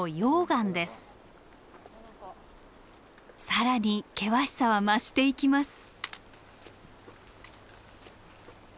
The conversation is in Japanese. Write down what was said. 更に険しさは増していきます。